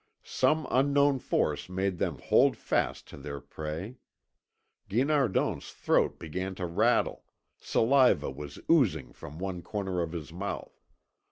Some unknown force made them hold fast to their prey. Guinardon's throat began to rattle, saliva was oozing from one corner of his mouth.